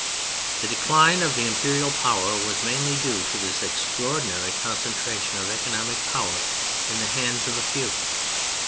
The decline of the Imperial power was mainly due to this extraordinary concentration of economic power in the hands of a few.